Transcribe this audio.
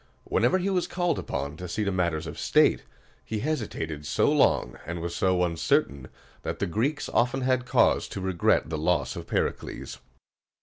Whenever he was called upon to see to matters of state, he hesitated so long, and was so uncertain, that the Greeks often had cause to regret the loss of Pericles.